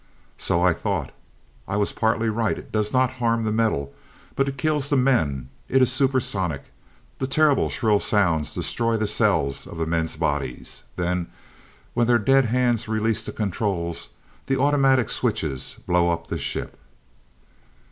"So I thought. I was partly right. It does not harm the metal. But it kills the men. It is super sonic. The terrible, shrill sounds destroy the cells of the men's bodies. Then, when their dead hands release the controls, the automatic switches blow up the ship."